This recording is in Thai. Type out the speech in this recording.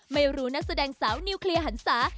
ไม่รู้นักแสดงสาวนิวเคลียร์หันศา